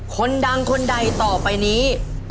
คนดังคนใดต่อไปนี้